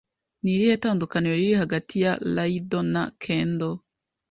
Ni irihe tandukaniro riri hagati ya Iaido na Kendo?